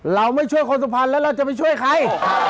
เราไม่ช่วยคนสุพรรณแล้วเราจะไปช่วยใคร